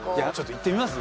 いってみます？